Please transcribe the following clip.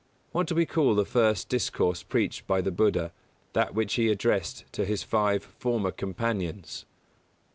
_What do we call the first discourse preached by the Buddha that which he addressed to his five former companions?